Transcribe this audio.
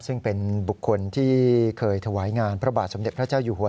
ซึ่งเป็นบุคคลที่เคยถวายงานพระบาทสมเด็จพระเจ้าอยู่หัว